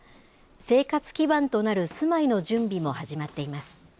生活基盤となる住まいの準備も始まっています。